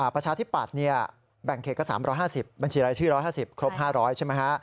ประชาธิปัตย์แบ่งเขตก็๓๕๐บัญชีรายชื่อ๑๕๐ครบ๕๐๐ใช่ไหมฮะ